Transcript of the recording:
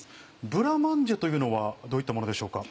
ブラマンジェというのはどういったものでしょうか？